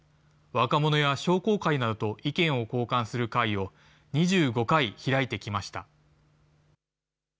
若者や商工会などと意見を交換する会を２５回開いてきました。